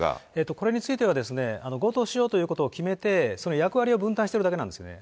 これについてはですね、強盗しようということを決めて、役割を分担しているだけなんですね。